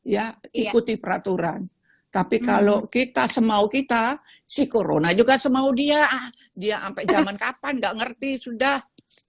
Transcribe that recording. ya ikuti peraturan tapi kalau kita semau kita si corona juga semau dia ah dia dia sampai zaman kapan enggak ngerti sudah